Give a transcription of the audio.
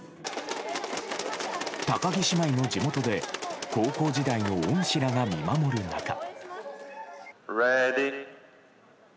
高木姉妹の地元で高校時代の恩師らが見守る中。